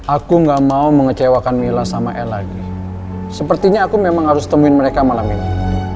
aku gak mau mengecewakan mila sama el lagi sepertinya aku memang harus temuin mereka malam ini